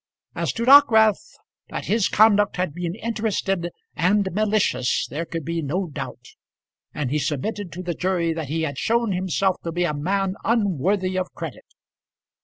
As to Dockwrath, that his conduct had been interested and malicious there could be no doubt; and he submitted to the jury that he had shown himself to be a man unworthy of credit.